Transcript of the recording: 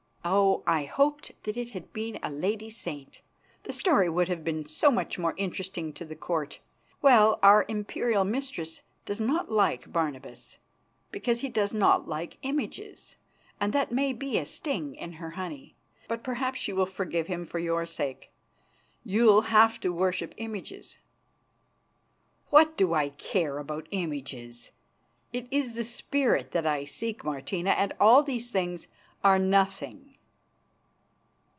"Oh! I hoped that it had been a lady saint; the story would have been so much more interesting to the Court. Well, our imperial mistress does not like Barnabas, because he does not like images, and that may be a sting in her honey. But perhaps she will forgive him for your sake. You'll have to worship images." "What do I care about images? It is the spirit that I seek, Martina, and all these things are nothing."